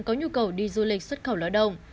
có nhu cầu đi du lịch xuất khẩu lao động